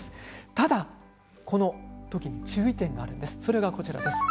ただこの時に注意点があるんです。